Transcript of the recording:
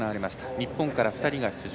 日本から２人が出場。